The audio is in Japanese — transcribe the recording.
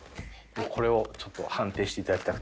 これをちょっと判定していただきたくて。